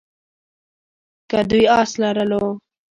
که دوی آس لرلو.